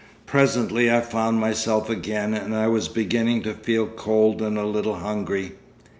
'Presently I found myself again, and I was beginning to feel cold and a little hungry.